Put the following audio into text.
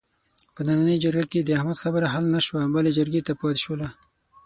په نننۍ جرګه کې د احمد خبره حل نشوه، بلې جرګې ته پاتې شوله.